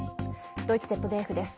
ドイツＺＤＦです。